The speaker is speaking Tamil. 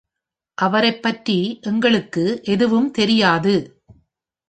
அவரைப் பற்றி எங்களுக்கு எதுவும் தெரியாது.